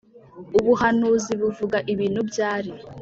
Ubuhanuzi buvuga ibintu byari